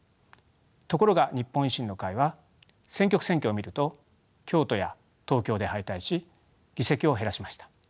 ところが日本維新の会は選挙区選挙を見ると京都や東京で敗退し議席を減らしました。